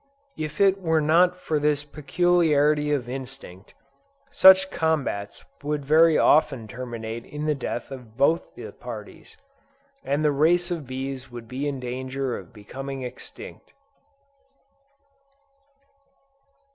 If it were not for this peculiarity of instinct, such combats would very often terminate in the death of both the parties, and the race of bees would be in danger of becoming extinct.